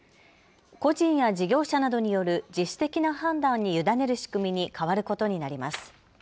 個人や事業者などによる自主的な判断に委ねる仕組みに変わることになります。